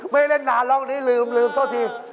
ไม่ได้เล่นนานหรอกนี้ลืมโทษที